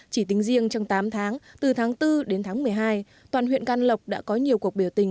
chỉ tính riêng trong tám tháng từ tháng bốn đến tháng một mươi hai toàn huyện can lộc đã có nhiều cuộc biểu tình